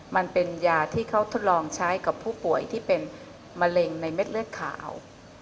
มันเป็นยาที่เขาทดลองใช้กับผู้ป่วยที่เป็นมะเร็งในเม็ดเลือดขาว